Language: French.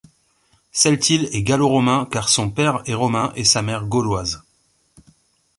Celtill est gallo-romain car son père est romain et sa mère gauloise.